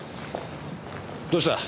どうした？